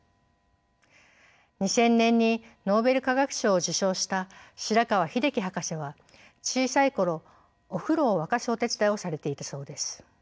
２０００年にノーベル化学賞を受賞した白川英樹博士は小さい頃お風呂を沸かすお手伝いをされていたそうです。